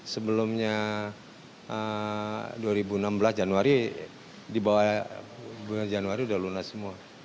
sebelumnya dua ribu enam belas januari di bawah bulan januari sudah lunas semua